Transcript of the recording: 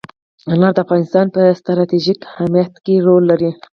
انار د افغانستان په ستراتیژیک اهمیت کې رول لري.